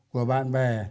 của bạn bè